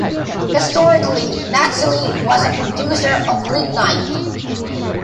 Historically Nazilli was a producer of lignite.